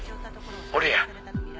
俺や。